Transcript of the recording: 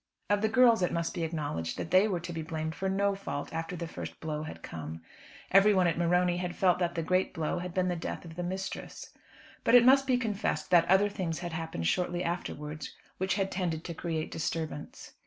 Of the girls it must be acknowledged that they were to be blamed for no fault after the first blow had come. Everyone at Morony had felt that the great blow had been the death of the mistress. But it must be confessed that other things had happened shortly afterwards which had tended to create disturbance.